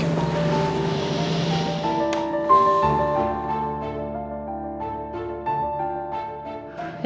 terima kasih bu